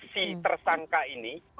si tersangka ini